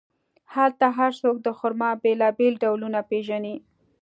هلته هر څوک د خرما بیلابیل ډولونه پېژني.